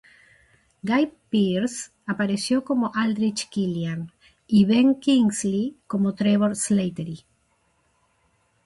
Guy Pearce apareció como Aldrich Killian y Ben Kingsley como Trevor Slattery.